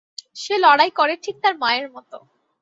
সে লড়াই করে ঠিক তার মায়ের মত।